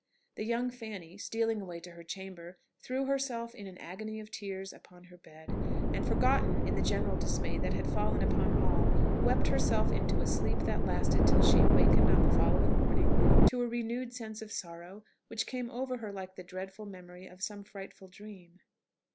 The young Fanny, stealing away to her chamber, threw herself, in an agony of tears, upon her bed, and, forgotten in the general dismay that had fallen upon all, wept herself into a sleep that lasted till she awakened on the following morning to a renewed sense of sorrow which came over her like the dreadful memory of some frightful dream.